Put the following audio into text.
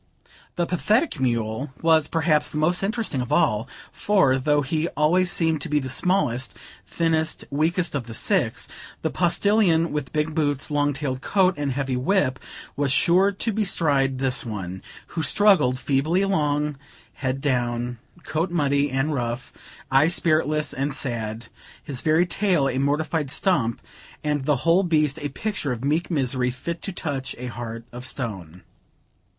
The pathetic mule was, perhaps, the most interesting of all; for, though he always seemed to be the smallest, thinnest, weakest of the six, the postillion, with big boots, long tailed coat, and heavy whip, was sure to bestride this one, who struggled feebly along, head down, coat muddy and rough, eye spiritless and sad, his very tail a mortified stump, and the whole beast a picture of meek misery, fit to touch a heart of stone.